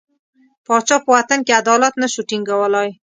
پاچا په وطن کې عدالت نه شو ټینګولای.